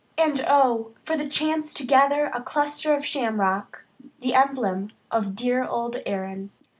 And oh! for the chance to gather a cluster of shamrock, the emblem of dear old Erin.